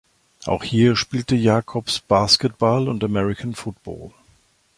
Auch hier spielte Jacobs Basketball und American Football.